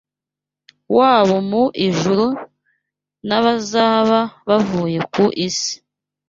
w’abo mu ijuru n’abazaba bavuye ku isi